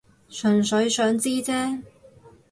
純粹想知啫